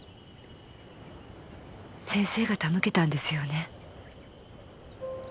先生が手向けたんですよね？